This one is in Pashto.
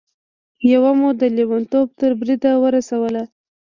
يوه مو د لېونتوب تر بريده ورسوله.